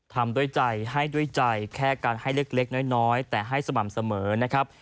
ทำด้วยใจให้ด้วยใจแค่การให้เล็กน้อยแต่ให้สม่ำเสมอนะครับ